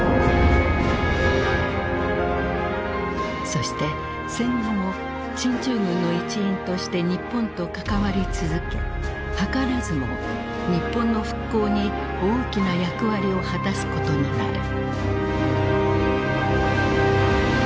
そして戦後も進駐軍の一員として日本と関わり続け図らずも日本の復興に大きな役割を果たすことになる。